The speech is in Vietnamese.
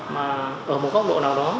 mà ở một góc độ nào đó